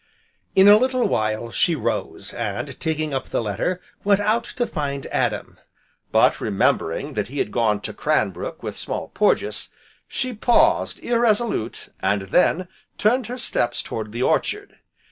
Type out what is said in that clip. In a little while, she rose, and taking up the letter, went out to find Adam; but remembering that he had gone to Cranbrook with Small Porges, she paused irresolute, and then turned her steps toward the orchard.